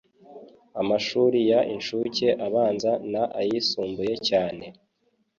amashuri y incuke abanza n ayisumbuye cyane